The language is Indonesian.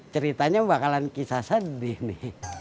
ceritanya bakalan kisah sendiri